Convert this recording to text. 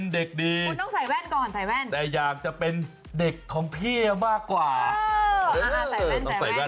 เป็นเด็กดีแต่อยากจะเป็นเด็กของพี่มากกว่าคุณต้องใส่แว่นก่อนใส่แว่น